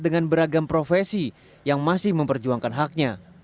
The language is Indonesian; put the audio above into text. dengan beragam profesi yang masih memperjuangkan haknya